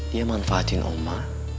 dia manfaatin oma